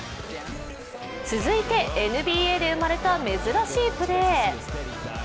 続いてＮＢＡで生まれた珍しいプレー。